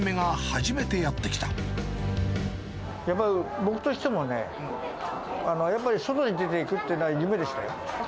やっぱり僕としてもね、やっぱり外に出ていくというのは夢でしたよ。